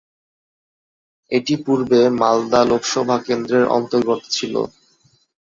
এটি পূর্বে মালদা লোকসভা কেন্দ্রের অন্তর্গত ছিল।